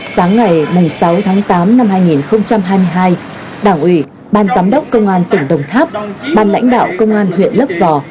sáng ngày sáu tháng tám năm hai nghìn hai mươi hai đảng ủy ban giám đốc công an tỉnh đồng tháp ban lãnh đạo công an huyện lấp vò